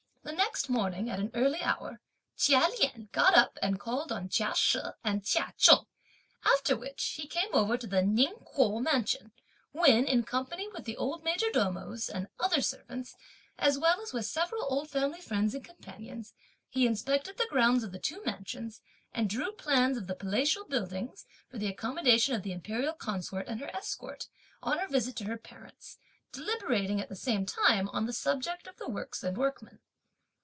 The next morning, at an early hour, Chia Lien got up and called on Chia She and Chia Cheng; after which, he came over to the Ning Kuo mansion; when, in company with the old major domos and other servants, as well as with several old family friends and companions, he inspected the grounds of the two mansions, and drew plans of the palatial buildings (for the accommodation of the Imperial consort and her escort) on her visit to her parents; deliberating at the same time, on the subject of the works and workmen.